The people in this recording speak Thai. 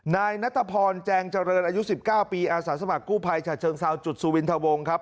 นายนัทพรแจงเจริญอายุ๑๙ปีอาสาสมัครกู้ภัยฉะเชิงเซาจุดสุวินทวงครับ